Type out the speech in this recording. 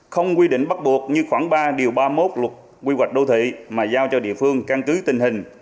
không quy định bắt buộc như khoảng ba điều ba mươi một luật quy hoạch đô thị mà giao cho địa phương căn cứ tình hình